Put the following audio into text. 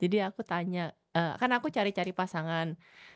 jadi aku tanya kan aku cari cari pasangan